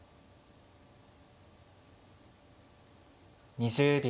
２０秒。